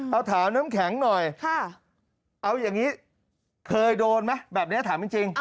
เอาถามน้ำแข็งหน่อยเอาอย่างนี้เคยโดนไหมแบบนี้ถามจริง